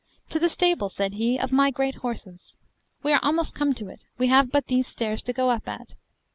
To the stable, said he, of my great horses. We are almost come to it; we have but these stairs to go up at.